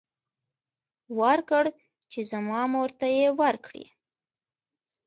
ورکړ چې زما مور ته يې ورکړي.